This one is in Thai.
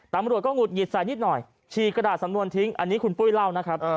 ตำรวจก็หุดหงิดใส่นิดหน่อยฉีกกระดาษสำนวนทิ้งอันนี้คุณปุ้ยเล่านะครับ